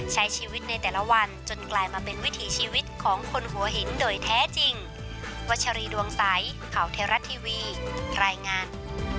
ใช้ชีวิตในแต่ละวันจนกลายมาเป็นวิถีชีวิตของคนหัวหินโดยแท้จริงวัชรีดวงใสข่าวเทราะทีวีรายงาน